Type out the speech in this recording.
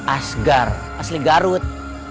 asgar asli garut